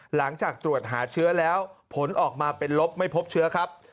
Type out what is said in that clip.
หลังจากตรวจหาเชื้อแล้วผลออกมาเป็นลบไม่พบเชื้อครับ